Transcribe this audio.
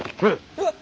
うわっ！